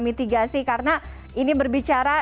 mitigasi karena ini berbicara